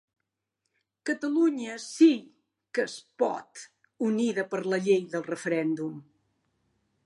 Catalunya Sí que es Pot unida per la llei del referèndum